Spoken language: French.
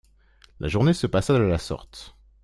La journée se passa de la sorte.